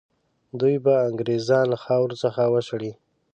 دوی به انګرېزان له خاورې څخه وشړي.